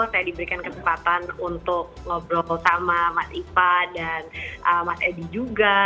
saya diberikan kesempatan untuk ngobrol sama mas ipa dan mas edi juga